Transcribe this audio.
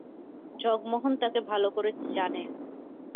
জগমোহন তাকে ভাল করে জানে।